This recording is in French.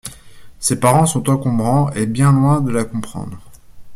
Ses parents sont encombrants et bien loin de la comprendre.